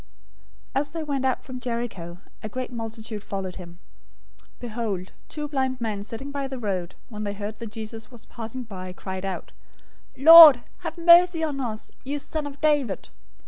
020:029 As they went out from Jericho, a great multitude followed him. 020:030 Behold, two blind men sitting by the road, when they heard that Jesus was passing by, cried out, "Lord, have mercy on us, you son of David!"